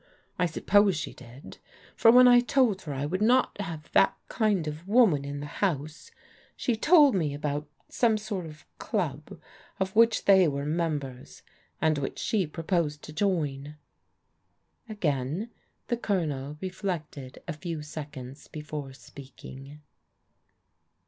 I suppose she did, for when I told her I would not have that kind of woman in the house, she told me about some sort of club of which they were members, and which she proposed to join." Again the Colonel reflected a few seconds before speaking.